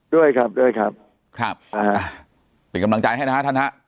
ด้วยครับด้วยครับครับอ่าเป็นกำลังใจให้นะฮะท่านฮะ